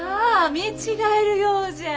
見違えるようじゃ。